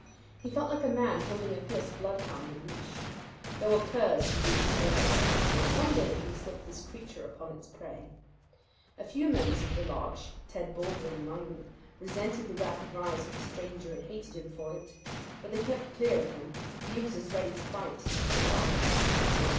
He felt like a man holding a fierce bloodhound in leash. There were curs to do the smaller work; but some day he would slip this creature upon its prey. A few members of the lodge, Ted Baldwin among them, resented the rapid rise of the stranger and hated him for it; but they kept clear of him, for he was as ready to fight as to laugh.